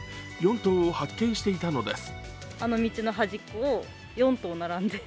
４頭を発見していたのです。